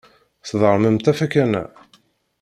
Sdermemt afakan-a.